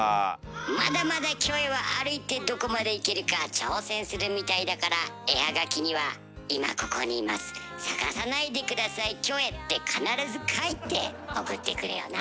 まだまだキョエは歩いてどこまで行けるか挑戦するみたいだから絵はがきには「今ここにいます探さないでくださいキョエ」って必ず書いて送ってくれよな。